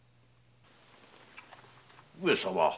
上様。